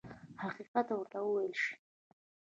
حقیقت ورته وویل شي.